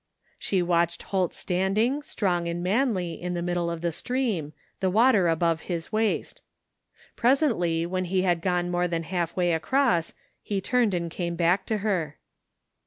She watched Holt standing, strong and manly, in the middle of the stream, the water above his waist Presently, when he had gone more than half way across he turned and came back to her.